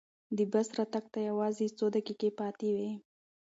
د بس راتګ ته یوازې څو دقیقې پاتې وې.